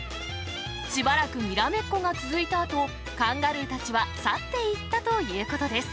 しばらくにらめっこが続いたあと、カンガルーたちは去っていったということです。